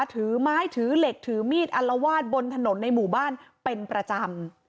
ถือไม้ถือเหล็กถือมีดอัลวาดบนถนนในหมู่บ้านเป็นประจำ